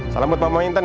salam buat mama intern ya